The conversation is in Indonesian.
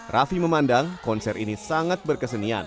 raffi memandang konser ini sangat berkesenian